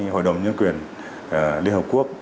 hội đồng nhân quyền liên hợp quốc